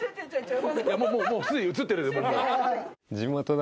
もうすでに映ってる。